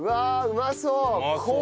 うまそうよ。